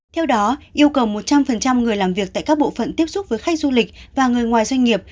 theo đó yêu cầu một trăm linh người làm việc tại các bộ phận tiếp xúc với khách du lịch và người ngoài doanh nghiệp